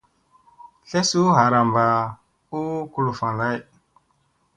Sle suu ɦaramba u kuluffa lay.